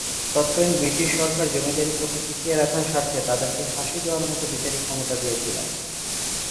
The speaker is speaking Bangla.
তৎকালীন ব্রিটিশ সরকার জমিদারি প্রথা টিকিয়ে রাখার স্বার্থে তাদেরকে ফাঁসি দেয়ার মতো বিচারিক ক্ষমতা দিয়েছিলেন।